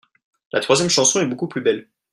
La troisième chanson est beaucoup plus belle.